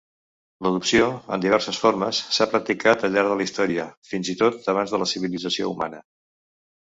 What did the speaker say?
L'adopció, en diverses formes, s'ha practicat al llarg de la història, fins i tot abans de la civilització humana.